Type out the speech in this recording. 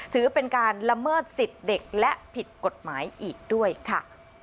ถือเป็นการละเมิดสิทธิ์เด็กและผิดกฎหมายอีกด้วยค่ะ